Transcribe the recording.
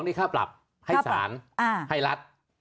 ๑๒๐๐๐นี่ค่าปรับให้สารให้รัฐ